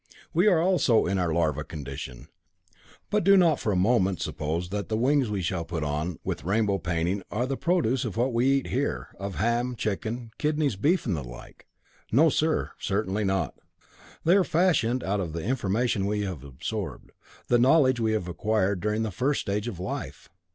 "We are also in our larva condition. But do not for a moment suppose that the wings we shall put on with rainbow painting are the produce of what we eat here of ham and chicken, kidneys, beef, and the like. No, sir, certainly not. They are fashioned out of the information we have absorbed, the knowledge we have acquired during the first stage of life."